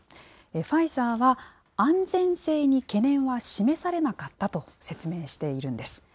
ファイザーは、安全性に懸念は示されなかったと説明しているんです。